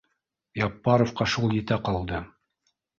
Яппаровҡа шул етә ҡалды: